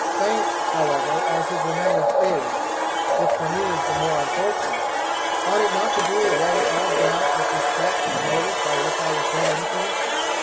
Faint, however, as his remembrance is (which for me is the more unfortunate), ought it not to do away all doubt with respect to the motives by which I was then influenced?'